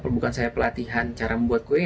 bukan saya pelatihan cara membuat kue